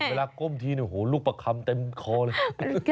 เวลาก้มทีโหลูกปะคำเต็มคอเลย